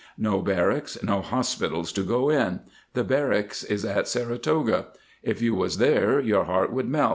No barracks, no hos pitals to go in. The barracks is at Saratoga. If you was here, your heart would melt.